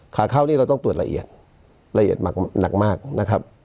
ขาเข้านี่เราต้องตรวจละเอียดละเอียดมากหนักมากนะครับ